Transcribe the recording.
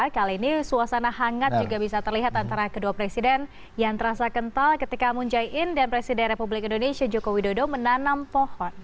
kali ini suasana hangat juga bisa terlihat antara kedua presiden yang terasa kental ketika munjai in dan presiden republik indonesia joko widodo menanam pohon